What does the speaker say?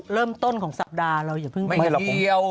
เริ่มต้นของสัปดาห์เราอย่าเพิ่งไปคนเดียว